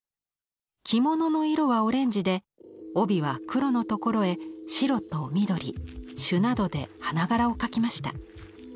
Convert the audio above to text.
着物の色はオレンジで帯は黒の所へ白と緑朱などで花柄を描きました。